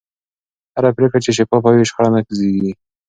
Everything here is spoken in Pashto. هره پرېکړه چې شفافه وي، شخړه نه زېږي.